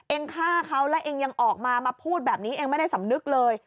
ฆ่าเขาและเองยังออกมามาพูดแบบนี้เองไม่ได้สำนึกเลย